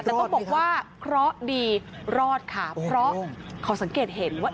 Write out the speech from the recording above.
แต่ต้องบอกว่าเคราะห์ดีรอดค่ะเพราะเขาสังเกตเห็นว่า